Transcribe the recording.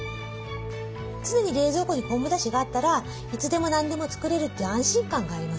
常に冷蔵庫に昆布だしがあったらいつでも何でも作れるという安心感がありますね。